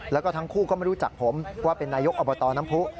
แล้วก็ทั้งคู่ก็ไม่รู้จักผมว่าเป็นนายกอบตน้ำผู้